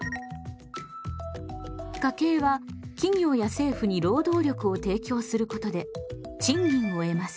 家計は企業や政府に労働力を提供することで賃金を得ます。